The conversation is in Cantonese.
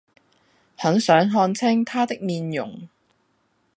很想看清他的面容